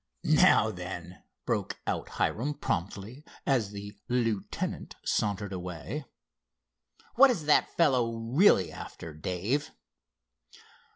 "Now, then," broke out Hiram promptly as the lieutenant sauntered away, "what is that fellow really after, Dave?"